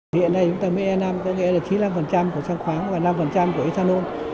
hiện nay chúng ta mới e năm có nghĩa là chín mươi năm của xăng khoáng và năm của xăng nôn